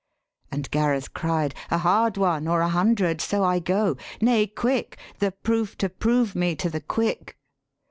And Gareth cried, 'A hard one, or a hundred, so I go. Nay quick! the proof to prove me to the quick!'